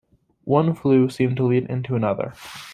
One flue seemed to lead into another.